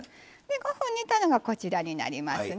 ５分煮たのがこちらになりますね。